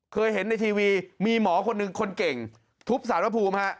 เคยเห็นในทีวีมีหมอคนหนึ่งคนเก่งทุบสารพระภูมิฮะ